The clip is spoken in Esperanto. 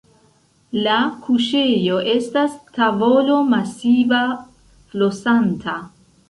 La kuŝejo estas tavolo-masiva, flosanta.